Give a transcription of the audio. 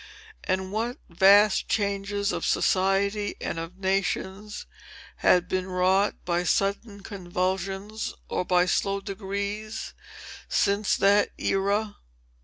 And what vast changes of society and of nations had been wrought by sudden convulsions or by slow degrees, since that era!